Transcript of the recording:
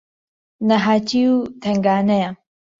نەهاتی و تەنگانەیە